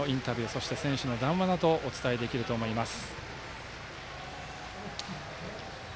そして選手の談話などもお伝えできると思います。